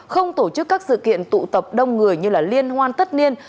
không tổ chức các sự kiện tụ tập đông người như liên hoan tất niên